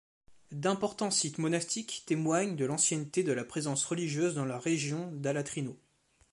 D'importants sites monastiques témoignent de l'ancienneté de la présence religieuse dans la région d'Alatrino.